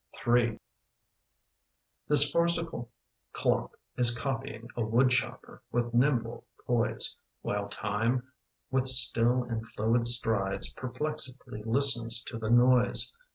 Ill J[ HIS farcical clock is copying A wood chopper with nimble poise, While Time, with still and fluid strides, Perplexedly listens to the noise.